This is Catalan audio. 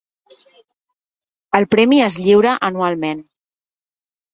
El premi es lliura anualment.